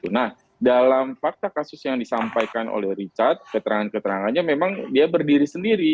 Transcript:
nah dalam fakta kasus yang disampaikan oleh richard keterangan keterangannya memang dia berdiri sendiri